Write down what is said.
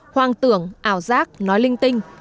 hoang tưởng ảo giác nói linh tinh